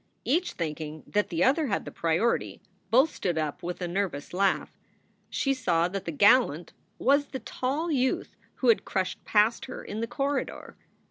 Each thinking that the other had the priority, both stood up with a nervous laugh. She saw that the gallant was the tall youth who had crushed past her in the corridor.